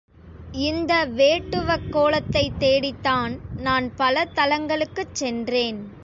இந்த வேட்டுவக் கோலத்தைத் தேடித்தான் நான் பல தலங்களுக்குச் சென்றேன்.